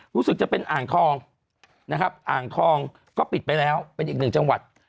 รู้สึกจะเป็นอ่างทองนะครับอ่างทองก็ปิดไปแล้วเป็นอีกหนึ่งจังหวัด